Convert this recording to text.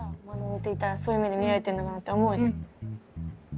そういう目で見られてんのかなって思うじゃん。